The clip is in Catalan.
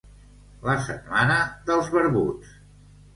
La setmana dels barbuts.